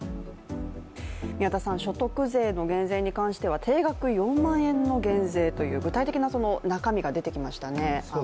所得税の減税に関しては定額４万円の減税という具体的な中身が出てきましたね。